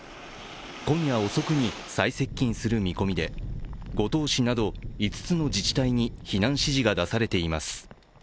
今夜遅くに最接近する見込みで五島市など５つの自治体に避難指示が出されています。